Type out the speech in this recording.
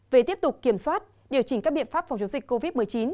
về tiếp tục kiểm soát điều chỉnh các biện pháp phòng chống dịch covid một mươi chín